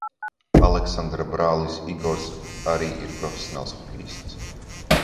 Aleksandra brālis Igors arī ir profesionāls hokejists.